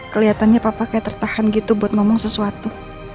kelihatannya papa kayak tertahan gitu buat ngomong sesuatu